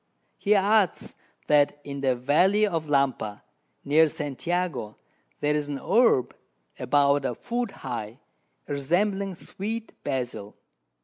He adds, that in the Valley of Lampa, near St. Jago, there's an Herb, about a Foot high, resembling Sweet Basil.